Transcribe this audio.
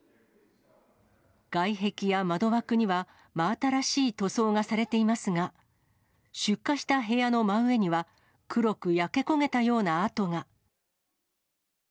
外壁や窓枠には、真新しい塗装がされていますが、出火した部屋の真上には、黒く焼け焦げたような跡が。